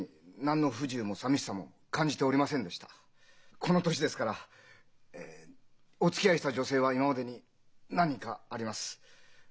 この年ですからおつきあいした女性は今までに何人かあります。